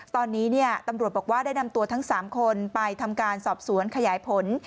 ตอนนี้ตำรวจบอกว่าได้นำตัวทั้ง๓คนไปทำการสอบสวนขยายผล